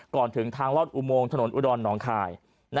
ก่อนถึงทางลอดอุโมงถนนอุดรหนองคาย